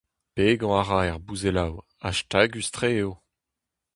Pegañ a ra er bouzelloù, ha stagus-tre eo.